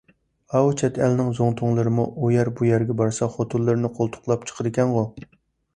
ئاۋۇ چەت ئەلنىڭ زۇڭتۇلىرىمۇ ئۇ يەر – بۇ يەرگە بارسا خوتۇنلىرىنى قولتۇقلاپ چىقىدىكەنغۇ!